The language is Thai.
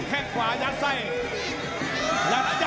พญักดำไม่อยู่